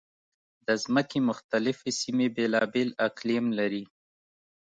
د ځمکې مختلفې سیمې بېلابېل اقلیم لري.